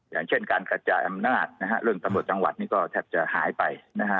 อย่างเช่นการกระจายอำนาจเรื่องตำรวจจังหวัดนี่ก็แทบจะหายไปนะฮะ